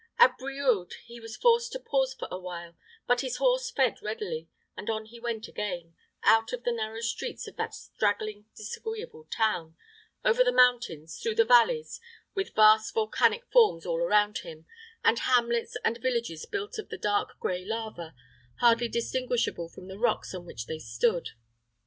At Brioude he was forced to pause for a while; but his horse fed readily, and on he went again, out of the narrow streets of that straggling, disagreeable town, over the mountains, through the valleys, with vast volcanic forms all around him, and hamlets and villages built of the dark gray lava, hardly distinguishable from the rocks on which they stood.